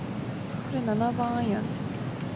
これ７番アイアンですね。